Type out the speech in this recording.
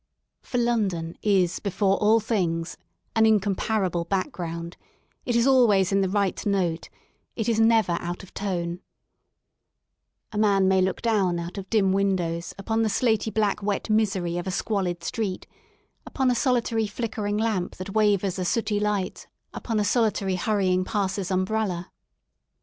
For London is before all things an incomparable background; it is always in the right note, it is never out of tone* A man may look down out of dim windows upon the slaty, black, wet misery of a squalid street, upon a solitary flickering lamp that wavers a sooty light upon a solitary, hurrying passer's umbrella.